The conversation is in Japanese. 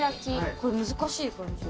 これ難しい漢字。